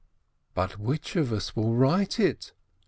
"But which of us will write it